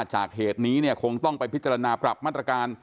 จากเหตุนี้คงต้องไปพิจารณาปรับมาตรการ